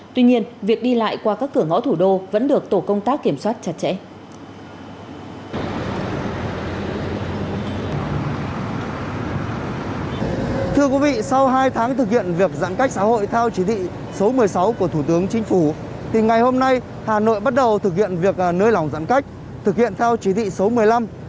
tuy nhiên việc đi lại qua các cửa ngõ thủ đô vẫn được tổ công tác kiểm soát chặt chẽ